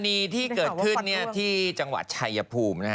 กรณีที่เกิดขึ้นที่จังหวัดชายภูมิ